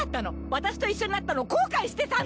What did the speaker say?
私と一緒になったの後悔してたの！？